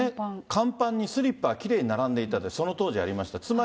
甲板にスリッパがきれいに並んでいたって、その当時ありました。